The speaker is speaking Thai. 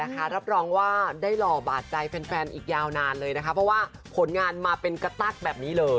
รับรองว่าได้หล่อบาดใจแฟนอีกยาวนานเลยนะคะเพราะว่าผลงานมาเป็นกระตั๊กแบบนี้เลย